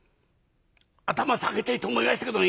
頭下げてえと思いましたけどね